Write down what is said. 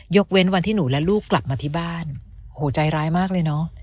เว้นวันที่หนูและลูกกลับมาที่บ้านโหใจร้ายมากเลยเนอะ